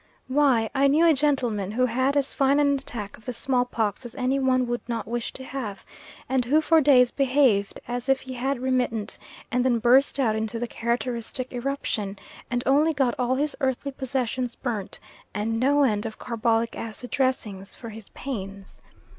Why, I knew a gentleman who had as fine an attack of the smallpox as any one would not wish to have, and who for days behaved as if he had remittent, and then burst out into the characteristic eruption; and only got all his earthly possessions burnt, and no end of carbolic acid dressings for his pains.